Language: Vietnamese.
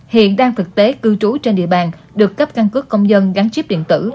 hiện đang thực tế cư trú trên địa bàn được cấp căn cước công dân gắn chip điện tử